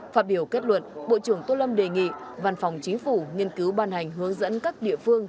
phát biểu kết luận bộ trưởng tô lâm đề nghị văn phòng chính phủ nghiên cứu ban hành hướng dẫn các địa phương